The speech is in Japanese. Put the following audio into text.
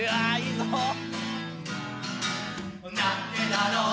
「なんでだろう」